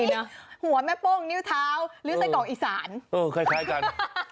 โอ้ยหัวแม่โป้งนิ้วเท้าหรือไส้เกาะอีสานเออคล้ายคล้ายกัน